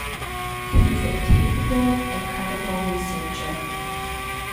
He is a capable and credible researcher.